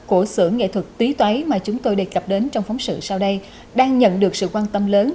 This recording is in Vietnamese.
và lớp học vẽ ký ức của sở nghệ thuật tý tuấy mà chúng tôi đề cập đến trong phóng sự sau đây đang nhận được sự quan tâm lớn